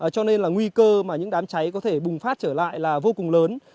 cho nên là nguy cơ mà những đám cháy có thể bùng phát trở lại là vô cùng lớn